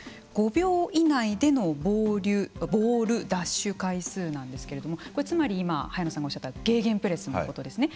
５秒以内でのボール奪取回数なんですけれどもつまり今早野さんがおっしゃったゲーゲンプレスのことですね。